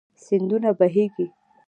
سيندونه بهيږي